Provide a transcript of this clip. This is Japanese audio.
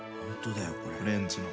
フレンチの。